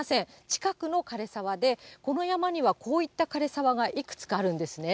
近くの枯れ沢で、この山にはこういった枯れ沢がいくつかあるんですね。